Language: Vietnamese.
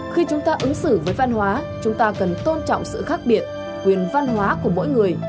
khi chúng ta ứng xử với văn hóa chúng ta cần tôn trọng sự khác biệt quyền văn hóa của mỗi người